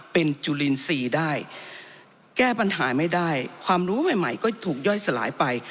เป็นจุลินทรีย์ได้แก้ปัญหาไม่ได้ความรู้ใหม่ใหม่ก็ถูกย่อยสลายไป